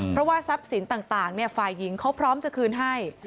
เพราะว่าทรัพย์สินต่างฝ่ายหญิงเขาพร้อมจะคืนให้